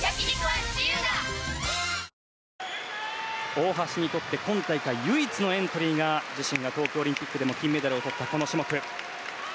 大橋にとって今大会唯一のエントリーが東京オリンピックでも金メダルをとったこの種目。